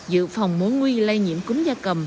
giữ phòng mối nguy lây nhiễm cúm da cầm